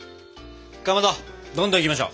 かまどどんどんいきましょう。